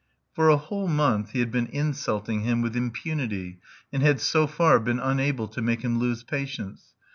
For a whole month he had been insulting him with impunity, and had so far been unable to make him lose patience.